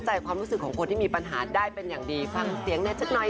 อีกอย่างหนึ่งพี่มัมบอกว่าเอาจริง